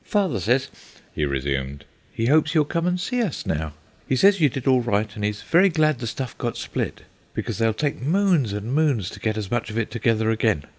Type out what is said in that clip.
"Father says," he resumed, "he hopes you'll come and see us now. He says you did all right, and he's very glad the stuff got spilt, because they'll take moons and moons to get as much of it together again.